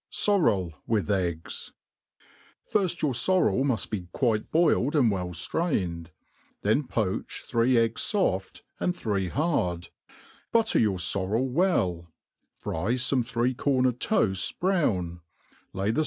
, Sorrel with Eggs, FIRST your forrel muft be quite boiled and well f^rained, then poach three eggs {6% and three hard, butter your forrel well; fry fome three cornered toafts brown, lay the.